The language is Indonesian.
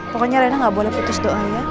pokoknya lena gak boleh putus doa ya